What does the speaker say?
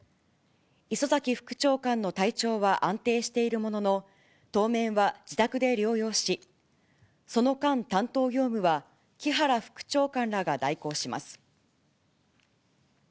礒崎副長官の体調は安定しているものの、当面は自宅で療養し、その間、担当業務は木原副長官らが代行します。